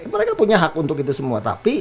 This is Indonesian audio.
mereka punya hak untuk itu semua tapi